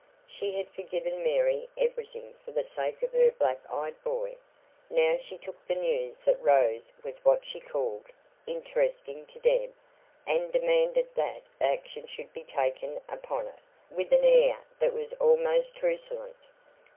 She had forgiven Mary everything for the sake of her black eyed boy; now she took the news that Rose was what she called "interesting" to Deb, and demanded that action should be taken upon it, with an air that was almost truculent.